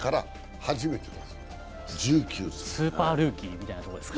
スーパールーキーみたいなことですか。